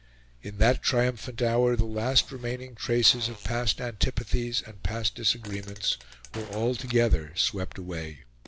In that triumphant hour the last remaining traces of past antipathies and past disagreements were altogether swept away.